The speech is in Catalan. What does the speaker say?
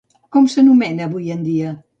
Com s'anomena avui en dia?